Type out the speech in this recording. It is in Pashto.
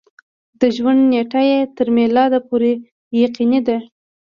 د ژوند نېټه یې تر میلاد پورې یقیني ده.